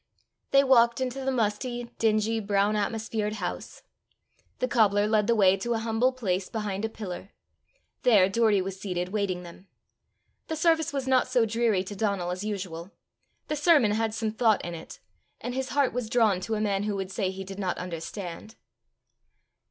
They walked into the musty, dingy, brown atmosphered house. The cobbler led the way to a humble place behind a pillar; there Doory was seated waiting them. The service was not so dreary to Donal as usual; the sermon had some thought in it; and his heart was drawn to a man who would say he did not understand.